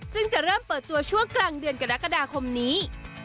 ซึ่งจะเริ่มเปิดตัวช่วงกลางเดือนกรกฎาคมนี้